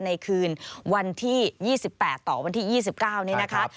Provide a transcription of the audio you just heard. ในคืนวันที่๒๘ต่อวันที่๒๙นี้นะคะ